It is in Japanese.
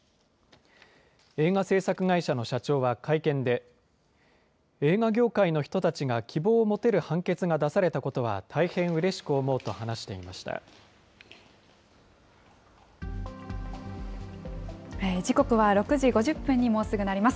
映画製作会社の社長は会見で、映画業界の人たちが希望を持てる判決が出されたことは大変うれし時刻は６時５０分に、もうすぐなります。